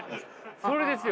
それですよ。